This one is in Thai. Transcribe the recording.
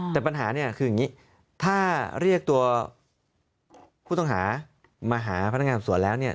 แต่ปัญหาเนี่ยคืออย่างนี้ถ้าเรียกตัวผู้ต้องหามาหาพนักงานสอบสวนแล้วเนี่ย